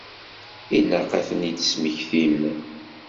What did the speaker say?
Ilaq ad tent-id-tesmektim.